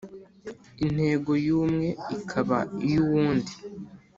Intego yumwe ikaba iyo uwundi